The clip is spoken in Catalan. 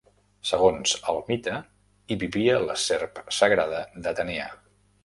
Segons el mite, hi vivia la serp sagrada d'Atenea.